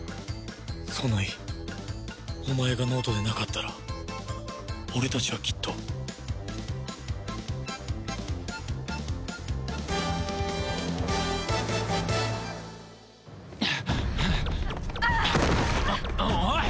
ソノイお前が脳人でなかったら俺たちはきっとああっ！